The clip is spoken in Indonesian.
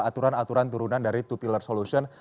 aturan aturan turunan dari dua pilar solution